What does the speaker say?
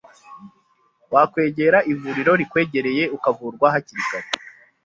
wakwegera ivuriro rikwegereye ukavurwa hakiri kare.